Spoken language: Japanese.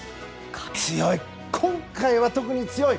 強い、今回は特に強い！